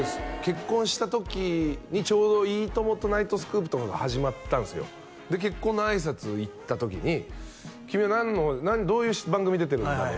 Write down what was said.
結婚した時にちょうど「いいとも！」と「ナイトスクープ」とかが始まったんすよで結婚のあいさつ行った時に「君は何のどういう番組出てるんだね？」